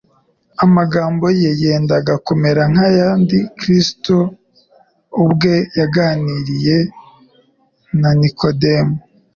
amagambo ye yendaga kumera nka ya yandi Kristo ubwe yaganiriye na Nikodemo